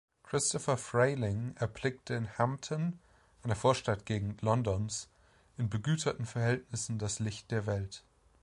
Christopher Frayling erblickte in Hampton, einer Vorstadtgegend Londons, in begüterten Verhältnissen das Licht der Welt.